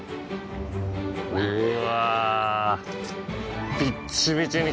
うわ。